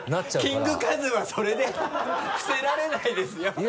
キングカズはそれで伏せられないですよ